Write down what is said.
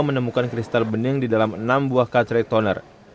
menemukan kristal bening di dalam enam buah catchrey toner